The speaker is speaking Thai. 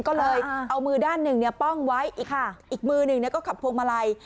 ก็เลยเอามือด้านหนึ่งป้องไว้อีกมือหนึ่งก็ขับพวงมาลัย